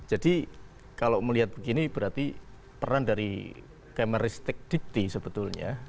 jadi kalau melihat begini berarti peran dari kemeristik dikti sebetulnya